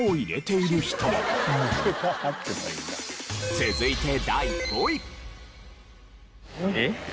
続いて第５位。